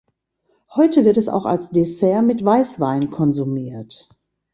Heute wird es auch als Dessert mit Weißwein konsumiert.